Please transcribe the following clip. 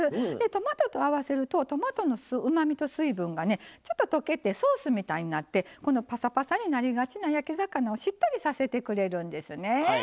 トマトと合わせるとトマトのうまみと水分がちょっと溶けてソースみたいになってぱさぱさになりがちな焼き魚をしっとりさせてくれるんですよね。